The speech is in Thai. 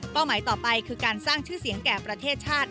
หมายต่อไปคือการสร้างชื่อเสียงแก่ประเทศชาติ